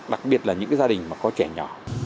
đặc biệt là những cái gia đình mà có trẻ nhỏ